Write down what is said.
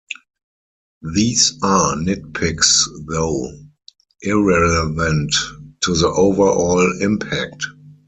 These are nitpicks though, irrelevant to the overall impact.